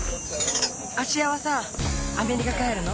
芦屋はさアメリカ帰るの？